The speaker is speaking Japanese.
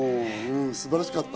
素晴らしかった。